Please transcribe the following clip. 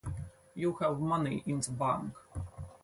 You have money in the bank.